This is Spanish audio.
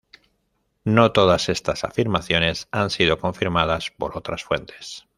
No todas estas afirmaciones han sido confirmadas por otras fuentes.